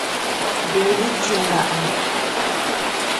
Ndudí chimbaʼa.